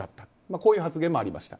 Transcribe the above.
こういう発言もありました。